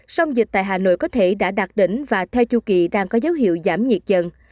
sông dịch tại hà nội có thể đã đạt đỉnh và theo chu kỳ đang có dấu hiệu giảm nhiệt dần